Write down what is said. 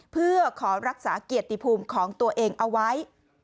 เพื่อขอรักษาเกียรติภูมิของตัวเองเอาไว้